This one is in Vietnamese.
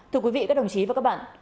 thưa quý vị các đồng chí và các bạn